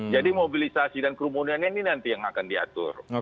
jadi mobilisasi dan kerumunannya ini nanti yang akan diatur